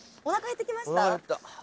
おなか減ってきました？